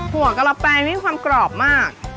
หัวกะละแปงนี่มีความกรอบมาก